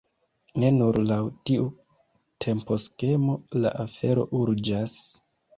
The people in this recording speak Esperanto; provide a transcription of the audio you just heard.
Ne nur laŭ tiu temposkemo la afero urĝas.